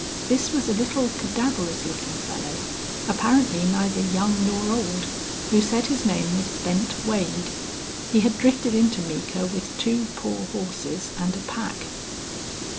This was a little cadaverous looking fellow, apparently neither young nor old, who said his name was Bent Wade. He had drifted into Meeker with two poor horses and a pack.